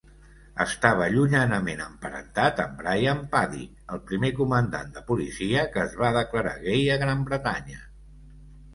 Estava llunyanament emparentat amb Brian Paddick, el primer comandant de policia que es va declarar gai a Gran Bretanya.